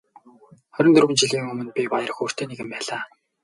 Хорин дөрвөн жилийн өмнө би баяр хөөртэй нэгэн байлаа.